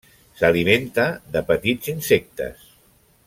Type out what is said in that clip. S'alimenta de petits insectes.